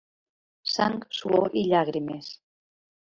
Sang, suor i llàgrimes.